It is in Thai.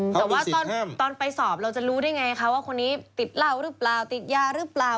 แต่ว่าตอนไปสอบเราจะรู้ได้ไงคะว่าคนนี้ติดเหล้าหรือเปล่าติดยาหรือเปล่า